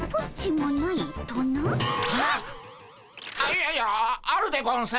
いやいやあるでゴンス。